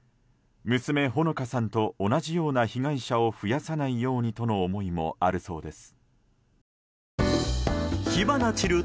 娘・穂野香さんと同じような被害者を増やさないようにとの思いもあるそうです。